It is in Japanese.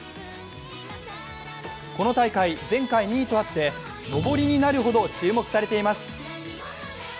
この大会、前回２位とあってのぼりになるほど注目されています。